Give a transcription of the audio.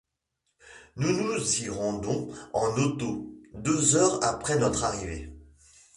Nous nous y rendons en auto, deux heures après notre arrivée.